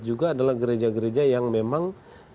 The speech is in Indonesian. juga adalah gereja gereja yang memang